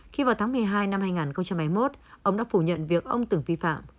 khi vào tháng một mươi hai năm hai nghìn hai mươi một ông đã phủ nhận việc ông từng vi phạm